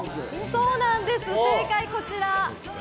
そうなんです、正解こちら。